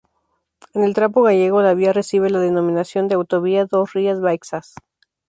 En el tramo gallego la vía recibe la denominación de "Autovía das Rías Baixas".